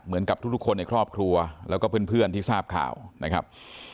เหมือนกับทุกคนในครอบครัวแล้วก็เพื่อนที่ทราบข่าวนะครับ